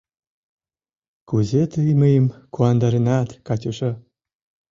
— Кузе тый мыйым куандаренат, Катюша!